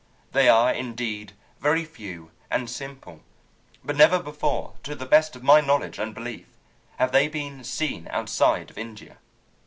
They are indeed very few and simple, but never before, to the best of my knowledge and belief, have they been seen outside of India.